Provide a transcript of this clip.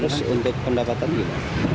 terus untuk pendapatan juga